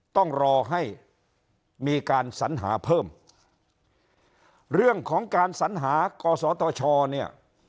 ต้องรอให้มีการสัญหาเพิ่มเรื่องของการสัญหากศตชเนี่ย